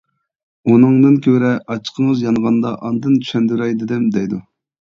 ئۇنىڭدىن كۆرە ئاچچىقىڭىز يانغاندا ئاندىن چۈشەندۈرەي دېدىم دەيدۇ.